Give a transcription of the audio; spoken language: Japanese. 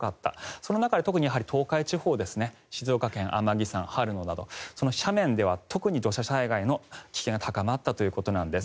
その中で特に東海地方静岡県の天城山春野など斜面では特に土砂災害の危険が高まったということなんです。